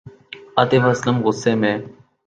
آطف اسلم غصے میں